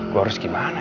gue harus gimana ya